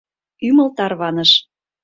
Ӱмыл тарваныш.